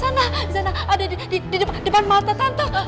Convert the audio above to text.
itu kan ada di sana ada di depan mata tante